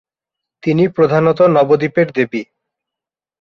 তিনি প্রধানত নবদ্বীপের দেবী।